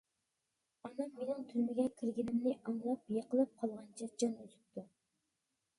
ئانام مېنىڭ تۈرمىگە كىرگىنىمنى ئاڭلاپ يىقىلىپ قالغانچە جان ئۈزۈپتۇ.